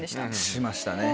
しましたね。